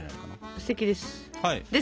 すてきです。